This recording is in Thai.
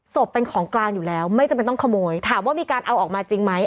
เป็นของกลางอยู่แล้วไม่จำเป็นต้องขโมยถามว่ามีการเอาออกมาจริงไหม